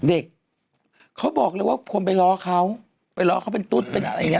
เด็กเขาบอกเลยว่าคนไปล้อเขาไปล้อเขาเป็นตุ๊ดเป็นอะไรอย่างเ